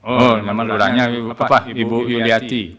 oh nama lurahnya bapak ibu yuliarti